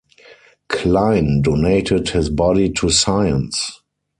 Klein donated his body to science.